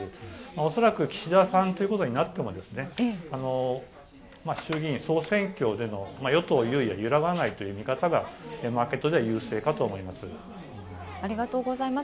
恐らく岸田さんということになっても衆議院総選挙での与党優位は揺るがないという見方がマーケットでは優勢かと思います。